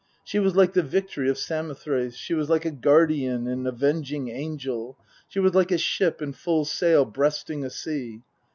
She was like the Victory of Samothrace ; she was like a guardian and avenging angel; she was like a ship in full sail breasting a sea.